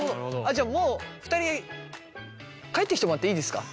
じゃあもう２人帰ってきてもらっていいですか？